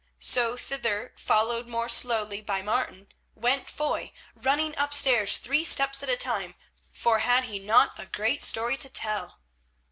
So thither, followed more slowly by Martin, went Foy, running upstairs three steps at a time, for had he not a great story to tell!